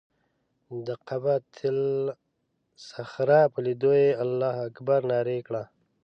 د قبة الصخره په لیدو یې الله اکبر نارې کړه.